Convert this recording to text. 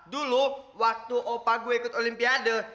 dulu waktu opa gue ikut olimpiade